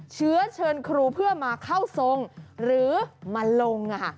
เชื้อเชิญครูเพื่อมาเข้าทรงหรือมาลง